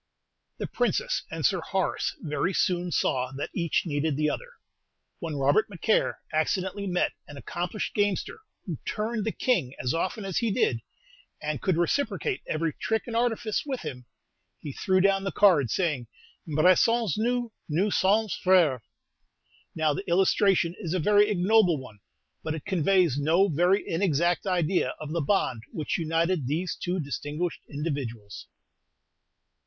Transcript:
The Princess and Sir Horace very soon saw that each needed the other. When Robert Macaire accidentally met an accomplished gamester who "turned the king" as often as he did, and could reciprocate every trick and artifice with him, he threw down the cards, saying, "Embrassons nous, nous sommes frères!" Now, the illustration is a very ignoble one, but it conveys no very inexact idea of the bond which united these two distinguished individuals.